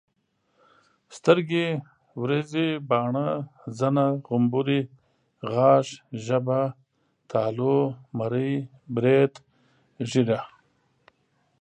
سترګي ، وريزي، باڼه، زنه، غمبوري، غاښ، ژبه ،تالو، مرۍ، بريت، ګيره